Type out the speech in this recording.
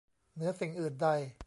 เหนือสิ่งอื่นใด